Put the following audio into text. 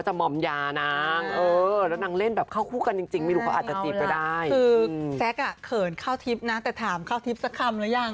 จะจีบก็ได้คือแซ็คเขินเข้าทิพย์นะแต่ถามเข้าทิพย์สักคำแล้วยัง